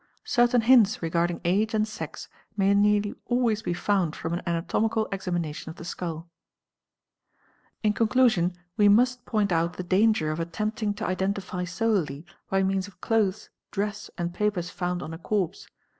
_ Certain hints regarding age and sex may nearly always be found from an anatomical examination of the skull. on In conclusion we must point out the danger of attempting to identify : solely by means of clothes, dress, and papers found on a corpse.